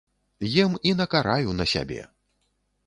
Ем і накараю на сябе.